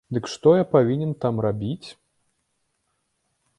Дык што я павінен там рабіць?